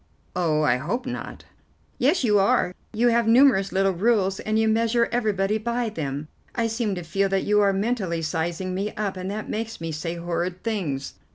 "Oh, I hope not." "Yes, you are. You have numerous little rules, and you measure everybody by them. I seem to feel that you are mentally sizing me up, and that makes me say horrid things."